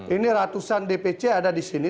ini ratusan dpc ada di sini